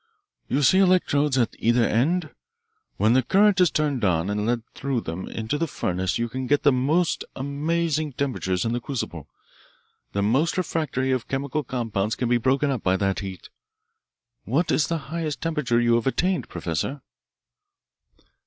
"You see the electrodes at either end? When the current is turned on and led through them into the furnace you can get the most amazing temperatures in the crucible. The most refractory of chemical compounds can be broken up by that heat. What is the highest temperature you have attained, Professor?"